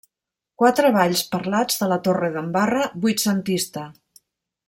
Quatre balls parlats de la Torredembarra vuitcentista.